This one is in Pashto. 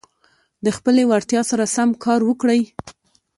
د خپلي وړتیا سره سم کار وکړئ.